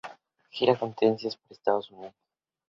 Gira de conferencias por Estados Unidos.